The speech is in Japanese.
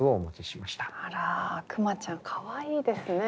あら「くまちゃん」かわいいですね。